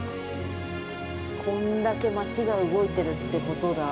◆こんだけ町が動いてるってことだ。